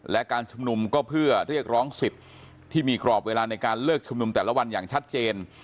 และการชุมนุมก็เพื่อเรียกร้องสิทธิ์ที่มีกรอบเวลาในการเลิกชุมนุมแต่ละวันอย่างชัดเจน